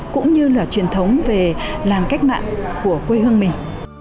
cũng như là truyền thống về làng cách mạng của quê hương mình